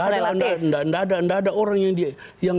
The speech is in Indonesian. tidak ada orang yang